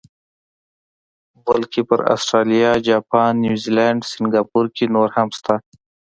بلکې پر اسټرالیا، جاپان، نیوزیلینډ، سنګاپور کې نور هم شته.